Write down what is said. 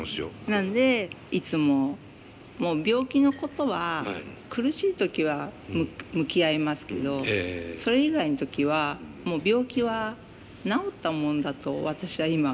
なんでいつも病気のことは苦しい時は向き合いますけどそれ以外の時はもう病気は治ったもんだと私は今思って。